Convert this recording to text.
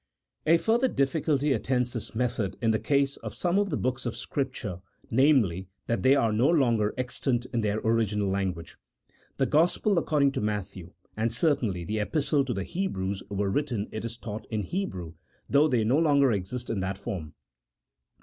A further difficulty attends this method in the case of some of the books of Scripture, namely, that they are no longer extant in their original language. The Gospel according to Matthew, and certainly the Epistle to the Hebrews, were written, it is thought, in Hebrew, though they no longer exist in that form.